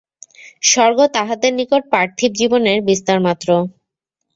স্বর্গ তাহাদের নিকট পার্থিব জীবনের বিস্তারমাত্র।